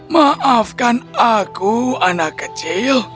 maafkan aku anak kecil